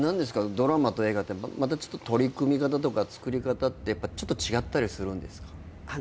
ドラマと映画ってちょっと取り組み方とか作り方ってちょっと違ったりするんですか？